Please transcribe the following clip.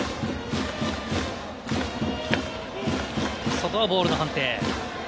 外はボールの判定。